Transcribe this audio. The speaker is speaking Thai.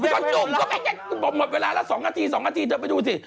ก็จุ่มก็แม่งหมดเวลาแล้ว๒นาที๒นาทีเธอไปดูสิ